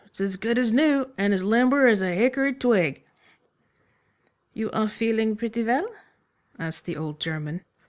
It's as good as new, and as limber as a hickory twig." "You are feeling pretty well?" asked the old German.